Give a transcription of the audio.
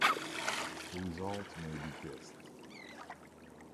The results may be guessed.